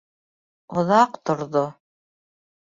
Оҙаҡ торҙо.